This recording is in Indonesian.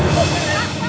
suited dari mana